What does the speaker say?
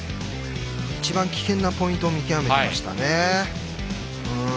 一番危険なポイントを見極めていましたね。